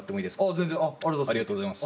全然ありがとうございます。